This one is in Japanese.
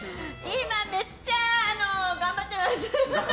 今めっちゃ頑張ってます。